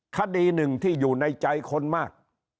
คดีหนึ่งที่อยู่ในใจคนมาก